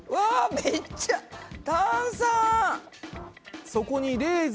めっちゃ炭酸！